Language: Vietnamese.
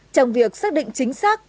trong việc xác định chính xác